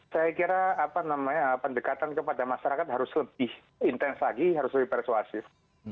saya kira pendekatan kepada masyarakat harus lebih intens lagi harus lebih persuasif